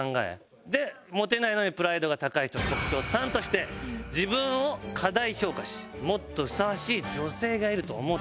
でモテないのにプライドが高い人の特徴３として自分を過大評価しもっと相応しい女性がいると思ってしまう。